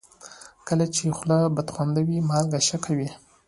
کله چې خوله بدخوند وي، مالګه ښه کوي.